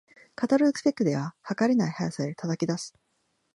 カタログスペックでは、はかれない速さを叩き出す